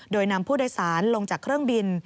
โดยนำผู้โดยสารลงจากเครื่องบิน